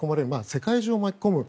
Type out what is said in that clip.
世界中を巻き込む。